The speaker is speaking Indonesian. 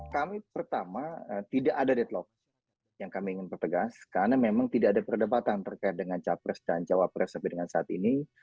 kami pertama tidak ada deadlock yang kami ingin pertegas karena memang tidak ada perdebatan terkait dengan capres dan cawapres sampai dengan saat ini